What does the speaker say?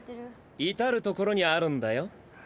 至る所にあるんだよ。